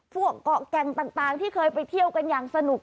พวกเกาะแก่งต่างที่เคยไปเที่ยวกันอย่างสนุก